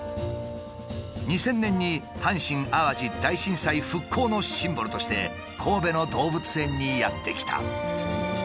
２０００年に阪神・淡路大震災復興のシンボルとして神戸の動物園にやって来た。